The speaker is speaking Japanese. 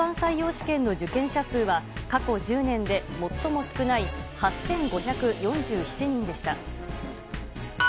試験の受験者数は過去１０年で最も少ない８５４７人でした。